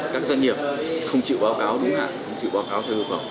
các doanh nghiệp không chịu báo cáo đúng hạn không chịu báo cáo theo luật phẩm